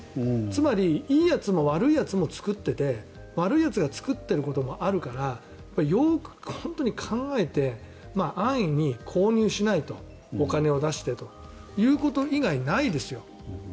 つまりいいやつも悪いやつも作っていて悪いやつが作っていることもあるからよく考えて安易にお金を出して購入しないということ以外ないですよ。